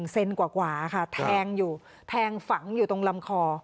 ๑เซนติเมตรกว่าค่ะแทงฝังอยู่ตรงลำคอ